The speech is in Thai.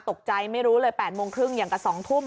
ไม่รู้เลย๘โมงครึ่งอย่างกับ๒ทุ่ม